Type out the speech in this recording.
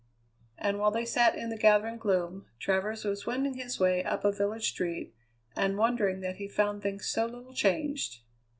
And while they sat in the gathering gloom, Travers was wending his way up a village street, and wondering that he found things so little changed.